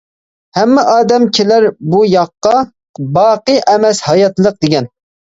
ھەممە ئادەم كېلەر بۇ ياققا، باقىي ئەمەس ھاياتلىق دېگەن.